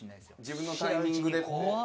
自分のタイミングでこう。